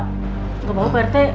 gak apa apa pak rt